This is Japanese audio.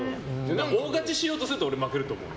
大勝ちしようとすると負けると思う。